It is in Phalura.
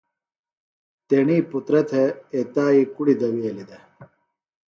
تیݨی پُترہ تھےۡ ایتائیۡ کُڑیۡ دویلیۡ دےۡ